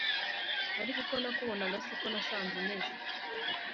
ariko uko nakubonaga si ko nasanze umeze